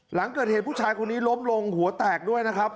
หลังเกิดเหตุผู้ชายคนนี้ล้มลงหัวแตกด้วยนะครับ